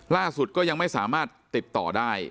ล่าสุดก็ยังไม่สามารถติดต่อได้